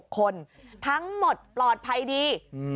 ๖คนทั้งหมดปลอดภัยดี